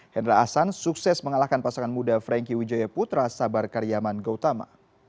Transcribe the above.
hendra ahsan sukses mengalahkan pasangan muda frankie wijaya putra sabar karyaman gautama